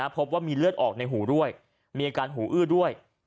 พบว่ามีเลือดออกในหูด้วยมีอาการหูอื้อด้วย